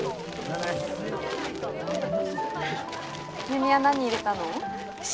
優美は何入れたの？